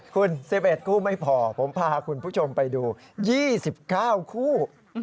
คุณ๑๑คู่ไม่พอผมพาคุณผู้ชมไปดู๒๙คู่